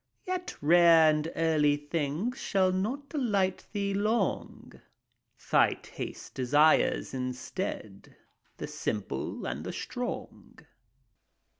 Yet rare and early things shall not delight thee long : Thy taste desires, instead, the simple and the strong.